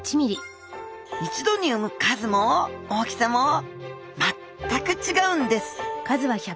一度に産む数も大きさも全く違うんです！